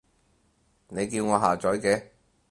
你叫我下載嘅